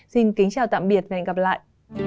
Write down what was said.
xin kính chào tạm biệt và hẹn gặp lại